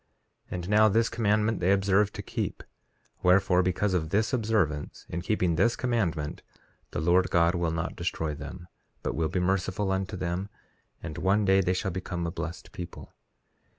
3:6 And now, this commandment they observe to keep; wherefore, because of this observance, in keeping this commandment, the Lord God will not destroy them, but will be merciful unto them; and one day they shall become a blessed people.